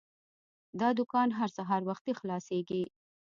دا دوکان هر سهار وختي خلاصیږي.